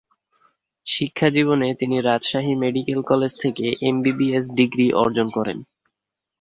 শিক্ষাজীবনে তিনি Rajshahi medical college থেকে MBBS degree অর্জন করেন।